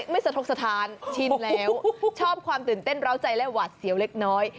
สะทกสถานชินแล้วชอบความตื่นเต้นร้าวใจและหวัดเสียวเล็กน้อย